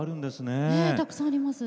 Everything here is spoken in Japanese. ねえたくさんあります。